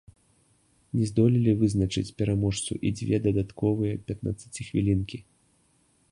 Не здолелі вызначыць пераможцу і дзве дадатковыя пятнаццаціхвілінкі.